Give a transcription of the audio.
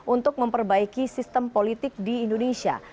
untuk memperbaiki sistem politik di indonesia